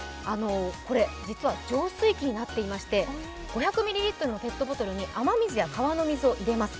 これ、実は浄水器になっていまして５００ミリリットルのペットボトルに川の水や雨水を入れます。